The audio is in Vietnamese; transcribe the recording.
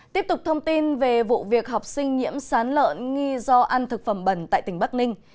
tiếp tục thông tin về vụ việc học sinh nhiễm sán lợn nghi do ăn thực phẩm bẩn tại tỉnh bắc ninh